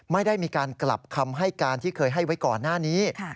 ไม่ได้มีการกลับคำให้การที่เคยให้ไว้ก่อนหน้านี้